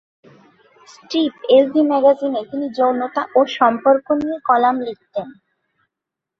Strip L V ম্যাগাজিনে তিনি যৌনতা ও সম্পর্ক নিয়ে কলাম লিখতেন।